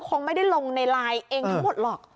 คงไม่ได้ลงในไลน์เองทั้งหมดหรอก